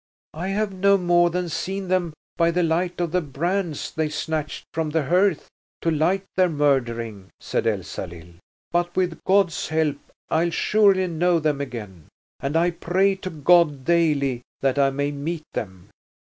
"I have no more than seen them by the light of the brands they snatched from the hearth to light their murdering," said Elsalill; "but with God's help I'll surely know them again. And I pray to God daily that I may meet them."